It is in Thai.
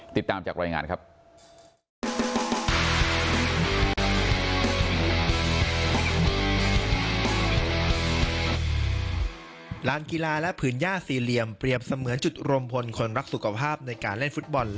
ติดตามจากรายงานครับ